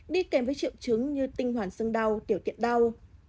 đi kèm với triệu chứng như tinh hoàn sưng đau tiểu tiện đau